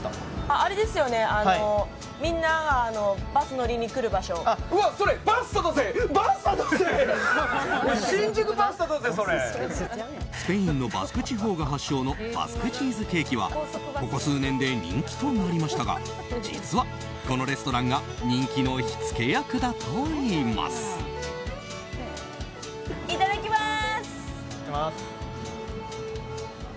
スペインのバスク地方が発祥のバスクチーズケーキはここ数年で人気となりましたが実は、このレストランが人気の火付け役だといいます。